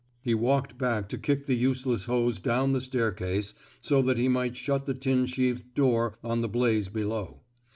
He walked back to kick the useless hose down the staircase so that he might shut the tin sheathed door on the blaze below.